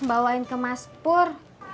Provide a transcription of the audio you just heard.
nih bang bawain ke mas pur